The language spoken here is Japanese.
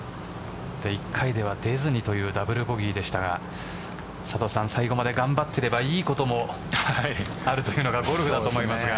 １回では出ずにというダブルボギーでしたが佐藤さん、最後まで頑張っていればいいこともあるというのがゴルフだと思いますが。